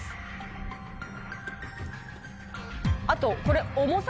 あとこれ。